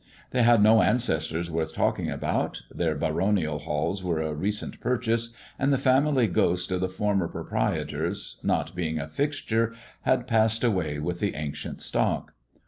f had no ancestors worth talking about ; their baronial } were a recent purchase, and the family ghost of the ler proprietors, not being a fixture, had passed away I the ancient stock.